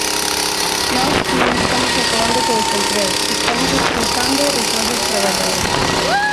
Nós non estamos acabando co desemprego, estamos expulsando os nosos traballadores.